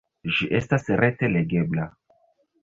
Ĝi estas rete legebla.